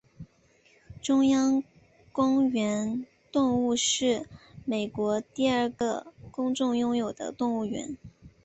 中央公园动物园是美国第二个公众拥有的动物园。